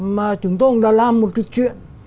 mà chúng tôi cũng đã làm một cái chuyện